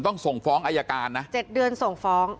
ต้องส่งฟ้องอายการนะ๗เดือนส่งฟ้อง